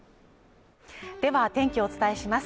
では天気をお伝えします。